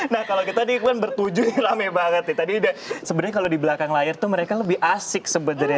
nah kalau kita bertujuhnya lama banget sebenernya kalau di belakang layar mereka lebih asik sebenernya